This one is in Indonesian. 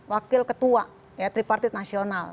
wakil ketua ya tripartit nasional